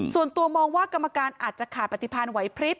ส่วนตัวมองว่ากรรมการอาจจะขาดปฏิพันธ์ไหวพลิบ